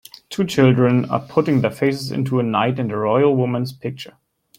Two children are putting their faces into a knight and royal woman 's picture.